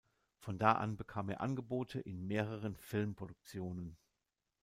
Von da an bekam er Angebote in mehreren Filmproduktionen.